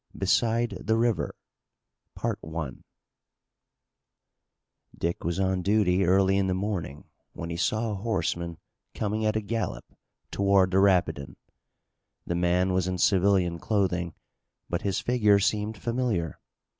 BESIDE THE RIVER Dick was on duty early in the morning when he saw a horseman coming at a gallop toward the Rapidan. The man was in civilian clothing, but his figure seemed familiar.